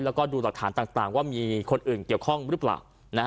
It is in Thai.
แล้วก็ดูหลักฐานต่างว่ามีคนอื่นเกี่ยวข้องหรือเปล่า